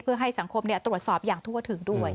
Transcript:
เพื่อให้สังคมตรวจสอบอย่างทั่วถึงด้วย